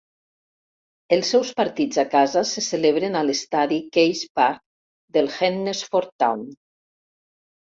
Els seus partits a casa se celebren a l'estadi Keys Park del Hednesford Town.